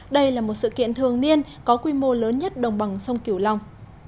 đây là một sự kiện thường niên có quy mô lớn nhất đồng bằng sông kiểu long